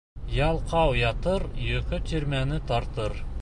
Ялҡау ятыр, йоҡо тирмәне тартыр.